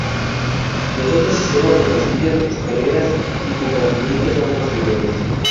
Los otros sistemas de pasillos, escaleras y compartimentos son posteriores.